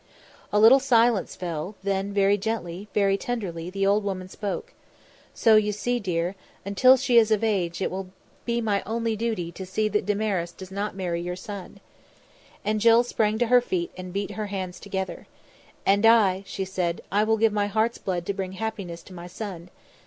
A little silence fell; then, very gently, very tenderly the old woman spoke: "So you see, dear, until she is of age it will be only my duty to see that Damaris does not marry your son." And Jill sprang to her feet and beat her hands together. "And I," she said, "I will give my heart's blood to bring happiness to my son.